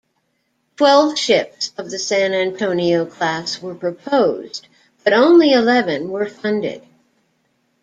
Twelve ships of the "San Antonio" class were proposed, but only eleven were funded.